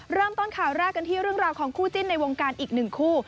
เริ่มต้นข่าวแรกกันที่เรื่องราวของคู่จิ้นในวงการอีกหนึ่งคู่